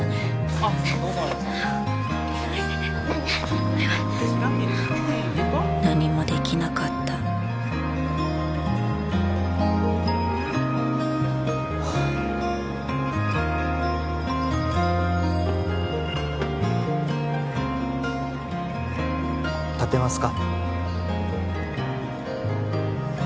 行こう何もできなかった立てますか？